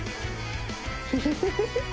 フフフフフ。